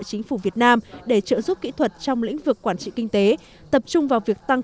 chính phủ việt nam để trợ giúp kỹ thuật trong lĩnh vực quản trị kinh tế tập trung vào việc tăng